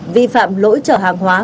vi phạm lỗi trở hàng hóa